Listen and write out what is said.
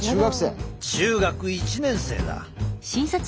中学１年生だ。